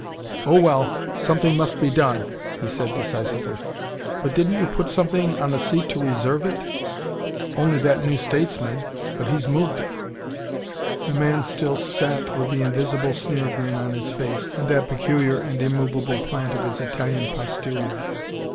"Oh well something must be done," said he decisively. "But didn't you put something in the seat to RESERVE it?" "Only that New Statesman but he's moved it." The man still sat with the invisible sneer grin on his face, and that peculiar and immovable plant of his Italian posterior.